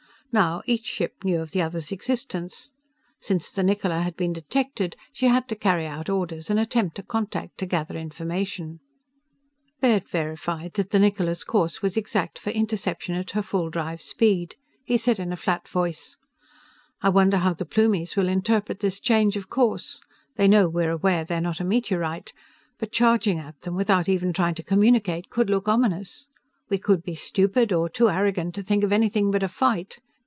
Now each ship knew of the other's existence. Since the Niccola had been detected, she had to carry out orders and attempt a contact to gather information. Baird verified that the Niccola's course was exact for interception at her full drive speed. He said in a flat voice: "I wonder how the Plumies will interpret this change of course? They know we're aware they're not a meteorite. But charging at them without even trying to communicate could look ominous. We could be stupid, or too arrogant to think of anything but a fight."